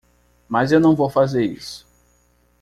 Mas eu não vou fazer isso.